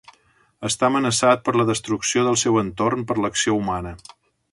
Està amenaçat per la destrucció del seu entorn per l'acció humana.